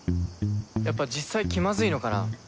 やっぱ実際気まずいのかなぁ。